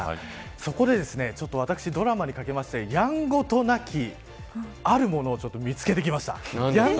そこで私ドラマにかけましてやんごとなきあるものを見つけてきました。